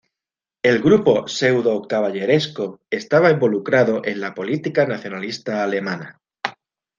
El grupo pseudo-caballeresco estaba involucrado en la política nacionalista alemana.